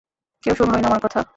কেউ শুনলোই না আমার কথা।